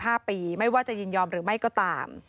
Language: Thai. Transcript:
ไม่เกิน๑๕ปีไม่ว่าจะยินยอมหรือไม่ก็ตาม